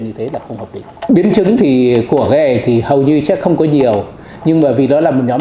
như thế là không hợp lý biến chứng của cái này thì hầu như chắc không có nhiều nhưng mà vì đó là một nhóm